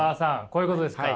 こういうことですか？